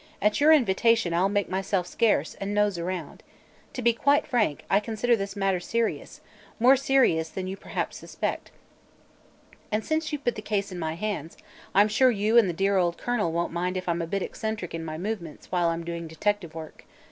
At your invitation I'll make myself scarce, and nose around. To be quite frank, I consider this matter serious; more serious than you perhaps suspect. And, since you've put this case in my hands, I'm sure you and the dear colonel won't mind if I'm a bit eccentric in my movements while I'm doing detective work.